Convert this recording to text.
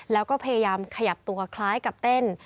แล้วก็พยายามขยับตัวคล้ายกับเต้น